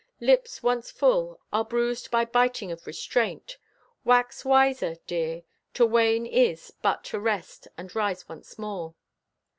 Lips once full are bruised By biting of restraint. Wax wiser, dear. To wane is but to rest and rise once more.